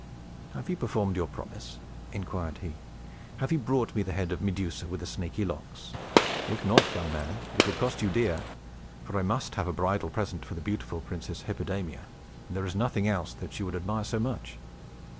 "Have you performed your promise?" inquired he. "Have you brought me the head of Medusa with the snaky locks? If not, young man, it will cost you dear; for I must have a bridal present for the beautiful Princess Hippodamia, and there is nothing else that she would admire so much."